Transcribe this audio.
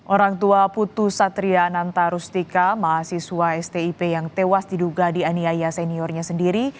orang tua putu satria anantarustika mahasiswa stip yang tewas diduga di aniaya seniornya sendiri